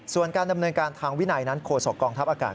ส่วนการดำเนินการทางวินัยนั้นโฆษกองทัพอากาศ